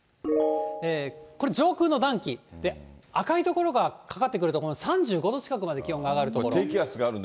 これ、上空の暖気、赤い所がかかってくると、３５度近くまで気温が上がるという所。